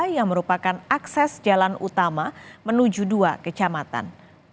yang merupakan akses jalan utama menuju dua kecamatan